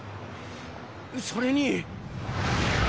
それに。